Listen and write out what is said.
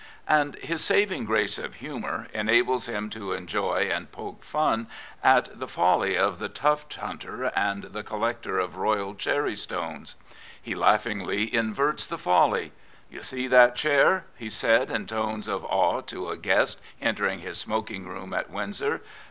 And his paving grace of humour enables him to enjoy and poke fun at the folly of the tuft hunter and the collector of Royal cherry stones. He laughingly inverts the folly. " You see that chair," he said in tones of awe to a guest entering his smoking room at Windsor.